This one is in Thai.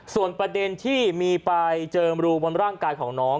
ส่วนประเด็นที่มีไปเจอรูบนร่างกายของน้อง